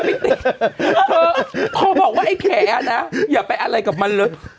พอบอกว่าไอ้แขนาเหลือไปอะไรกับมัน